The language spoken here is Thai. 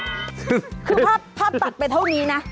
คือภาพตัดไปเท่านี้นะ